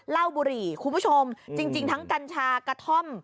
บุรีคุณผู้ชมจริงทั้งกัญชากระท่อม